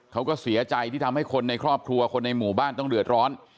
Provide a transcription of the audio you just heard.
เขาก็เสียใจที่ทำให้คนในครอบครัวคนในหมู่บ้านต้องเดือดร้อน